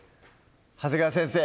長谷川先生